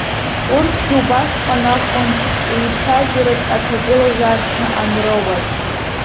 Урҭгьы убасҟан акәын еицәажәартә аҭагылазаашьа анроуаз.